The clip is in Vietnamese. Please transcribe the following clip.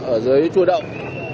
ở dưới chua động